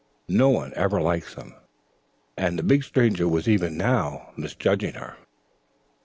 No one ever likes them," and the big stranger was even now misjudging her.